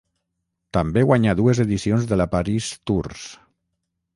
També guanyà dues edicions de la París-Tours.